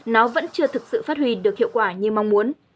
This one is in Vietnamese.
nó vẫn chưa thực sự phát huy được hiệu quả như mong muốn